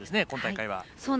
今大会は。